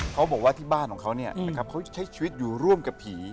เขาบอกว่าที่บ้านของเขาเขาใช้ชีวิตอยู่ร่วมกับผี